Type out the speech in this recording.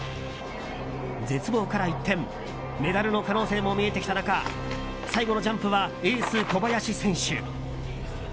絶望から一転メダルの可能性も見えてきた中最後のジャンプはエース小林選手。